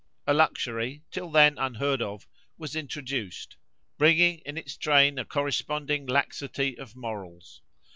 A luxury, till then unheard of, was introduced, bringing in its train a corresponding laxity of morals.